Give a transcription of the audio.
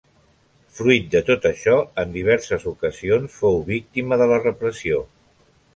Fruit de tot això, en diverses ocasions fou víctima de la repressió.